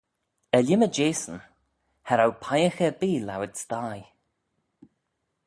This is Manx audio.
Er-lhimmey jehsyn, cha row peiagh erbee lowit sthie.